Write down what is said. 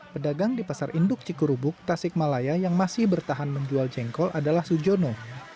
pedagang di pasar induk cikurubuk tasikmalaya yang masih bertahan menjual jengkol adalah sujono